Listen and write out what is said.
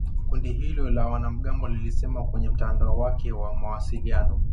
Kundi hilo la wanamgambo lilisema kwenye mtandao wake wa mawasiliano.